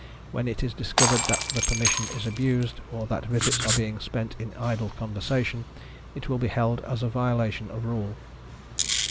When it is discovered that the permission is abused, or that visits are being spent in idle conversation, it will be held as a violation of rule.